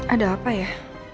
ada apa ya